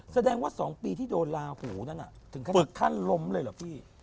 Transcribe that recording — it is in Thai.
แสดงว่า๒ปีที่โดนลาหูเนี่ยนั้นถึงถึงฟึกขั้นล้มเลยหรอพี่